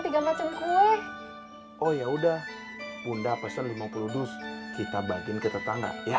tiga macam kue oh ya udah bunda pesan lima puluh dus kita bagiin ke tetangga ya